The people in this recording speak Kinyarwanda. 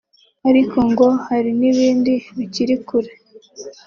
ariko ngo hari n’ibindi bikiri kure